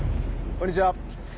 こんにちは。